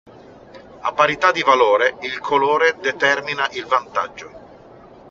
A parità di valore, il colore determina il vantaggio.